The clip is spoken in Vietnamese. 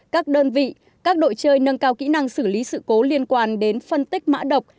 các đơn vị các đội chơi nâng cao kỹ năng xử lý sự cố liên quan đến phân tích mã độc